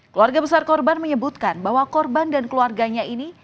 keluarga besar korban menyebutkan bahwa korban dan keluarganya ini